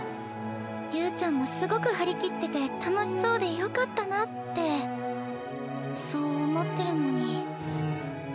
侑ちゃんもすごく張り切ってて楽しそうでよかったなってそう思ってるのに。